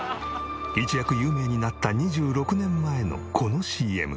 一躍有名になった２６年前のこのＣＭ。